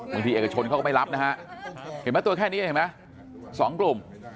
เอกชนเขาก็ไม่รับนะฮะเห็นไหมตัวแค่นี้เห็นไหมสองกลุ่ม